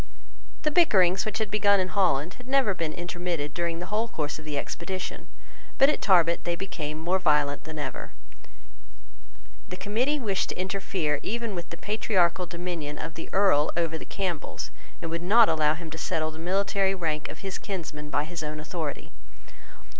The bickerings which had begun in Holland had never been intermitted during the whole course of the expedition; but at Tarbet they became more violent than ever. The Committee wished to interfere even with the patriarchal dominion of the Earl over the Campbells, and would not allow him to settle the military rank of his kinsmen by his own authority.